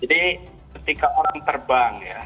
jadi ketika orang terbang ya